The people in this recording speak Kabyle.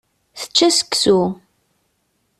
Tečča seksu.